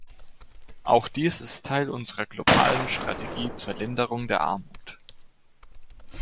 Auch dies ist Teil unserer globalen Strategie zur Linderung der Armut.